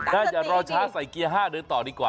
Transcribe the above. อย่ารอช้าใส่เกียร์๕เดินต่อดีกว่า